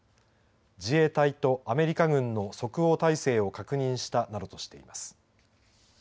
自衛隊とアメリカ軍の即応態勢を確認したなどとしています。